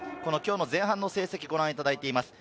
前半の成績をご覧いただいています。